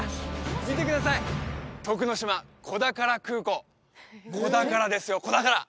見てください「徳之島子宝空港」子宝ですよ子宝！